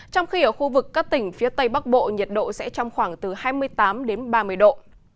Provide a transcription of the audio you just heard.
trong khi ở khu vực các tỉnh phía tây bắc bộ nhiệt độ sẽ trong khoảng từ hai mươi tám đến ba mươi độ